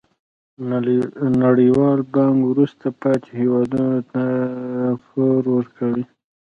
نړیوال بانک وروسته پاتې هیوادونو ته پور ورکوي.